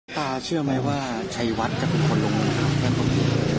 ตาเชื่อมั้ยว่าชัยวัดก็คือคนลงมือหรือเป็นคนเดียว